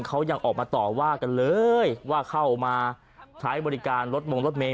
เขายังออกมาต่อว่ากันเลยว่าเข้ามาใช้บริการรถมงรถเมย